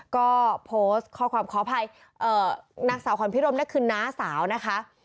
ก็โพสต์ข้อความขออภัยนางสาวขวัญพิรมนั่นคือน้าสาวนะคะ